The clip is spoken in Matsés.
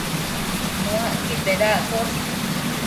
Nuacquid bedaccosh